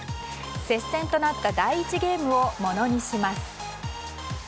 接戦となった第１ゲームをものにします。